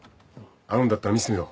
あるんだったら見せてみろ。